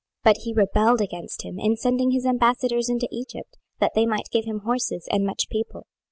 26:017:015 But he rebelled against him in sending his ambassadors into Egypt, that they might give him horses and much people.